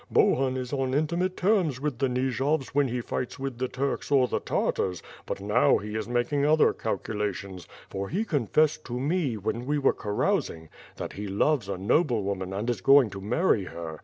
Bohun is on intimate terms with the Nijovs when he fights with the Turks or the Tartars; but now he is making other calculations, for he confessed to me, when we were carousing, that he loves a noblewoman and is going to marry her.